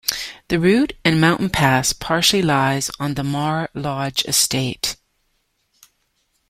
The route and mountain pass partially lies on the Mar Lodge Estate.